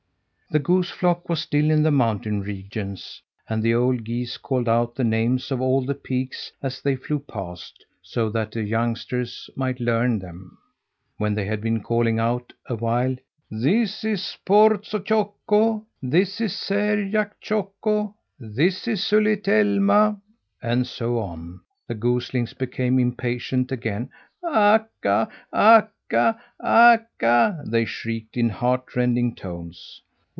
The goose flock was still in the mountain regions, and the old geese called out the names of all the peaks as they flew past, so that the youngsters might learn them. When they had been calling out a while: "This is Porsotjokko, this is Särjaktjokko, this is Sulitelma," and so on, the goslings became impatient again. "Akka, Akka, Akka!" they shrieked in heart rending tones.